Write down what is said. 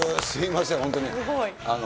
すみません、本当に。